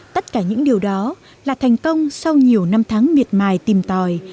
tất cả những điều đó là thành công sau nhiều năm tháng miệt mài tìm tòi